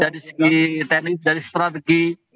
dari segi teknik dari strategi